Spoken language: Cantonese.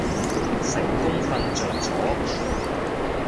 成功瞓着咗